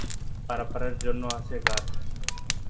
পারাপারের জন্য আছে ঘাট।